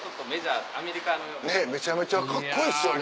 めちゃめちゃカッコいいですよね。